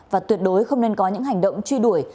và tuyệt đối không nên có những hành động truy đuổi